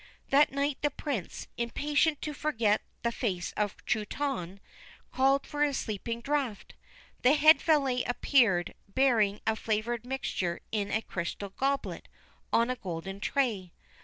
That night the Prince, impatient to forget the face of Truitonne, called for his sleeping draught. The head valet appeared, bearing a flavoured mixture in a crystal goblet on a golden tray.